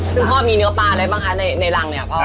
คุณพ่อมีเนื้อปลาอะไรบ้างคะในรังเนี่ย